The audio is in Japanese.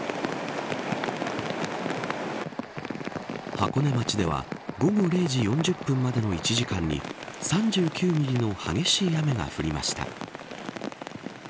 箱根町では午後０時４０分までの１時間に３９ミリの激しい雨が降りました。